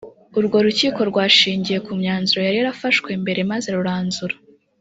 urwo rukiko rwashingiye ku myanzuro yari yarafashwe mbere maze ruranzura.